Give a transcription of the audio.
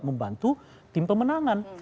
membantu tim pemenangan